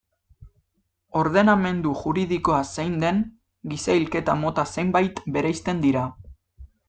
Ordenamendu juridikoa zein den, giza hilketa mota zenbait bereizten dira.